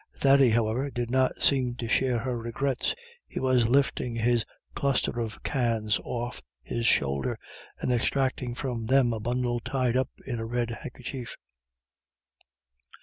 Thady, however, did not seem to share in her regrets. He was lifting his cluster of cans off his shoulders, and extracting from one of them a bundle tied up in a red handkerchief.